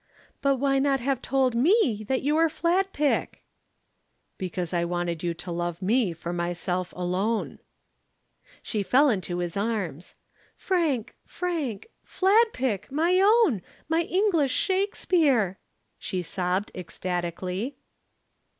But why not have told me that you were Fladpick?" "Because I wanted you to love me for myself alone." She fell into his arms. "Frank Frank Fladpick, my own, my English Shakespeare," she sobbed ecstatically.